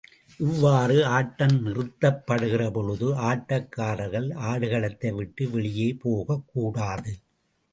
இவ்வாறு ஆட்டம் நிறுத்தப்படுகிறபொழுது, ஆட்டக்காரர்கள் ஆடுகளத்தை விட்டு வெளியே போகக்கூடாது.